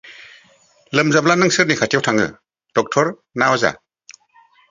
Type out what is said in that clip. लोमजाब्ला नों सोरनि खाथियाव थाङो, डक्टर ना अजा?